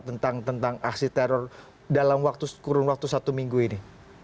tentang aksi teror dalam kurun waktu satu minggu ini